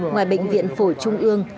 ngoài bệnh viện phổ trung ương